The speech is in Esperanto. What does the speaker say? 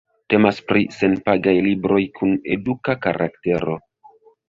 Temas pri senpagaj libroj kun eduka karaktero.